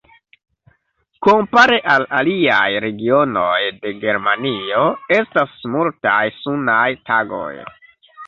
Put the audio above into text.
Kompare al aliaj regionoj de Germanio estas multaj sunaj tagoj.